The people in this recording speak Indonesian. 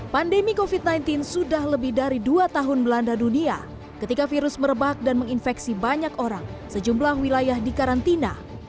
pandemi covid sembilan belas sudah lebih dari dua tahun belanda dunia ketika virus merebak dan menginfeksi banyak orang sejumlah wilayah di karantina